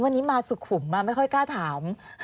วันนี้มาสุขุมมาไม่ค่อยกล้าถาม